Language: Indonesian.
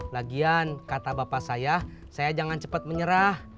lagian kata bapak saya saya jangan cepat menyerah